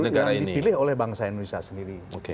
yang dipilih oleh bangsa indonesia sendiri